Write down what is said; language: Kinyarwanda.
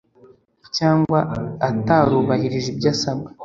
cyangwa atarubahirije ibyo asabwa